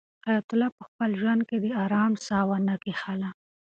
حیات الله په خپل ژوند کې د آرام ساه ونه کښله.